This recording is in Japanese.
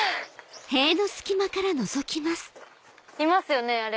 いますよねあれ。